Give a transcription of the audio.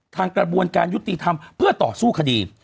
กระบวนการยุติธรรมเพื่อต่อสู้คดี